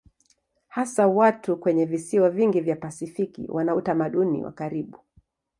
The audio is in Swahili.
Hasa watu kwenye visiwa vingi vya Pasifiki wana utamaduni wa karibu.